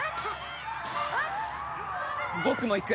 僕も行く！